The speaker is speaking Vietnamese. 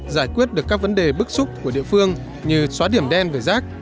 giải quyết được các vấn đề bức xúc của địa phương như xóa điểm đen về rác